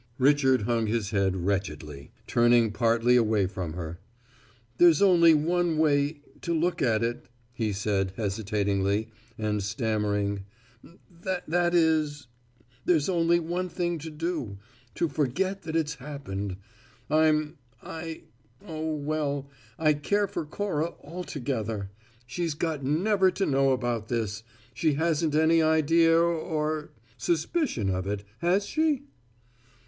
Richard hung his head wretchedly, turning partly away from her. "There's only one way to look at it," he said hesitatingly, and stammering. "That is there's only one thing to do: to forget that it's happened. I'm I oh, well, I care for Cora altogether. She's got never to know about this. She hasn't any idea or suspicion of it, has she?"